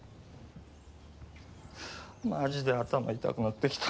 マジで頭痛くなってきた。